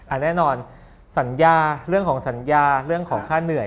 แน่นอนสัญญาเรื่องของสัญญาเรื่องของค่าเหนื่อย